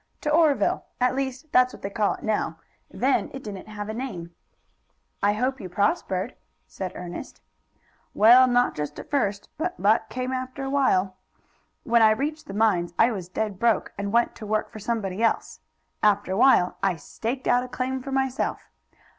"To Oreville. At least, that's what they call it now. Then it didn't have a name." "I hope you prospered," said Ernest. "Well, not just at first, but luck came after a while. When I reached the mines I was dead broke, and went to work for somebody else. After a while I staked out a claim for myself.